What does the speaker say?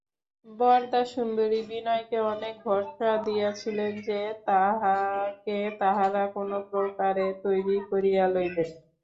বরদাসুন্দরী বিনয়কে অনেক ভরসা দিয়াছিলেন যে, তাহাকে তাঁহারা কোনোপ্রকারে তৈরি করিয়া লইবেন।